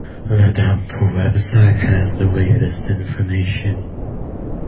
The temple website has the latest information.